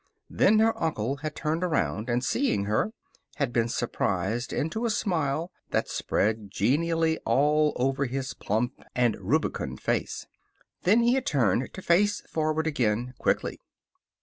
Then her uncle had turned around, and seeing her, had been surprised into a smile that spread genially all over his plump and rubicund face. Then he had turned to face forward again, quickly.